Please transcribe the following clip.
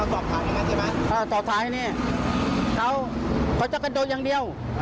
ต่อถ่ายอย่างงั้นใช่ไหมต่อถ่ายอย่างนี้เขาจะกระโดดอย่างเดียว